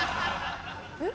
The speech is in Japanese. えっ？